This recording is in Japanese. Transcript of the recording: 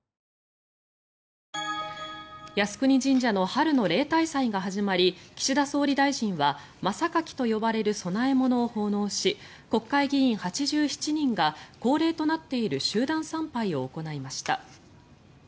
靖国神社の春の例大祭が始まり岸田総理大臣は真榊と呼ばれる供え物を奉納し国会議員８７人が恒例となっている集団参拝を行いました。